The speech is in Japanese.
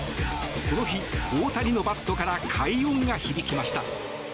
この日、大谷のバットから快音が響きました。